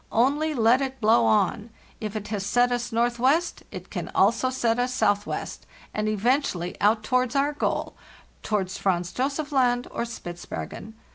Only let it blow on; if it has set us northwest it can also set us southwest, and eventually out towards our goal—towards Franz Josef Land or Spitzbergen.